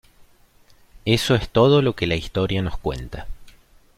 Eso es todo lo que la historia nos cuenta.